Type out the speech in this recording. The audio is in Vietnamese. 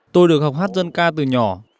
tôi được học hát dân ca từ nhỏ